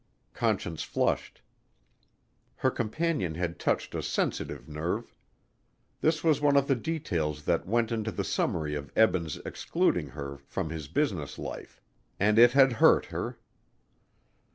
Conscience flushed. Her companion had touched a sensitive nerve. This was one of the details that went into the summary of Eben's excluding her from his business life, and it had hurt her.